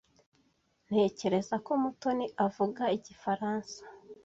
Ntekereza ko Mutoni avuga Igifaransa.